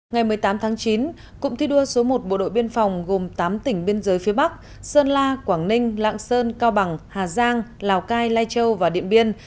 ngày một mươi tám tháng chín cụm thi đua số một bộ đội biên phòng gồm tám tỉnh biên giới phía bắc sơn la quảng ninh lạng sơn cao bằng hà giang lào cai lai châu và điện biên